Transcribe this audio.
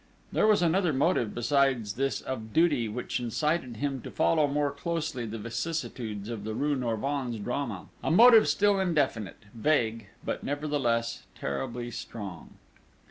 There was another motive besides this of duty which incited him to follow more closely the vicissitudes of the rue Norvins drama, a motive still indefinite, vague, but nevertheless terribly strong....